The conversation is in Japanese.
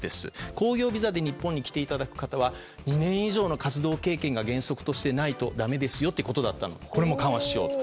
興行ビザで日本に来ていただく方は２年以上の活動経験が原則としてないとだめですよというのをこれも緩和しようと。